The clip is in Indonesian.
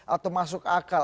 atau masuk akal